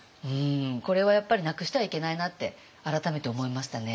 これはやっぱりなくしてはいけないなって改めて思いましたね。